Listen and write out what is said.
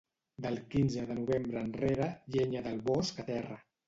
Del quinze de novembre enrere, llenya del bosc a terra.